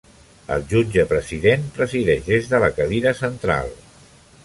El jutge president presideix des de la cadira central.